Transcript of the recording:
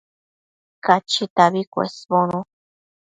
Cachitabi cuesbono